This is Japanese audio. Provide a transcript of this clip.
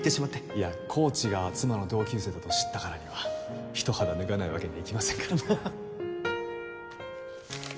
いやコーチが妻の同級生だと知ったからには一肌脱がないわけにはいきませんから